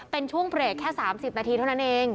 เป็นช่วงเบรกแค่๓๐นาทีเท่านั้นเอง